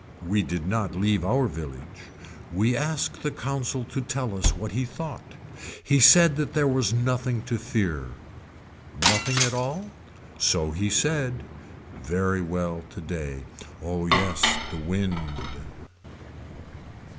We did not leave our village. We asked the consul to tell us what he thought. He said that there was nothing to fear. Nothing at all. So he said. Very well today. Oh yes the wind.